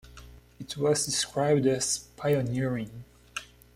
It was described as "pioneering".